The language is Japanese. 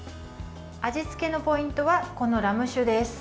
味付けのポイントはこのラム酒です。